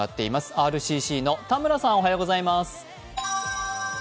ＲＣＣの田村さん、おはようございます。